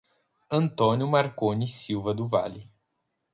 Antônio Marcone Silva do Vale